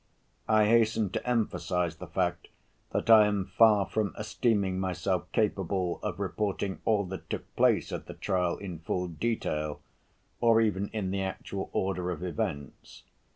I hasten to emphasize the fact that I am far from esteeming myself capable of reporting all that took place at the trial in full detail, or even in the actual order of events.